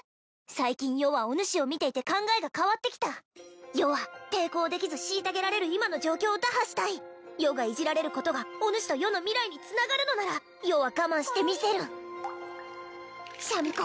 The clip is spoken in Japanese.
最近余はお主を見ていて考えが変わってきた余は抵抗できず虐げられる今の状況を打破したい余がいじられることがお主と余の未来につながるのなら余は我慢してみせるシャミ子